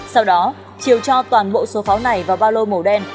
sau đó triều cho toàn bộ số pháo này và ba lô màu đen